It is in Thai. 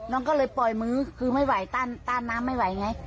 น้องก็เลยปล่อยมื้อคือไม่ไหวต้านน้ำไม่ไหวไง